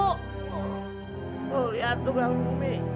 oh liat tuh bang ummi